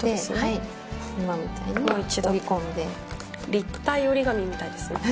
立体折り紙みたいですね。